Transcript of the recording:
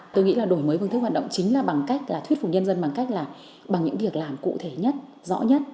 tôi nghĩ là đổi mới phương thức hoạt động chính là bằng cách là thuyết phục nhân dân bằng cách là bằng những việc làm cụ thể nhất rõ nhất